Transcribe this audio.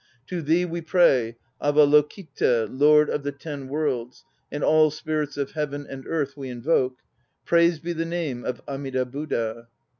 To thee we pray, Avalokita, Lord of the Ten Worlds; And all Spirits of Heaven and Earth we invoke. Praised be the name of Amida Buddha!